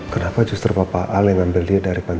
kenapa justru papa al yang ngambil dia dari sana